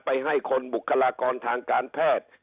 ให้คนบุคลากรทางการแพทย์